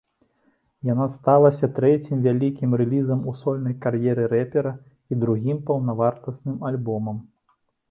Яна сталася трэцім вялікім рэлізам у сольнай кар'еры рэпера і другім паўнавартасным альбомам.